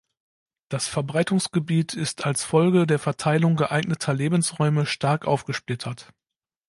Das Verbreitungsgebiet ist als Folge der Verteilung geeigneter Lebensräume stark aufgesplittert.